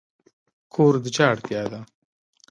کور د چا اړتیا ده؟